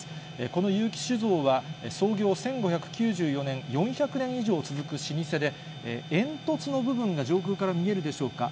この結城酒造は創業１５９４年、４００年以上続く老舗で、煙突の部分が上空から見えるでしょうか。